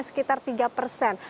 sekitar tiga persen